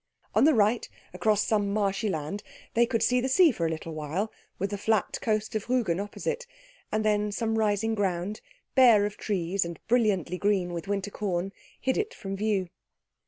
On the right, across some marshy land, they could see the sea for a little while, with the flat coast of Rügen opposite; and then some rising ground, bare of trees and brilliantly green with winter corn, hid it from view.